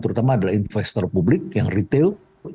terutama adalah investor publik yang retail